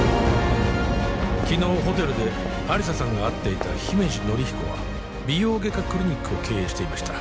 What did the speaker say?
昨日ホテルで亜理紗さんが会っていた姫路紀彦は美容外科クリニックを経営していました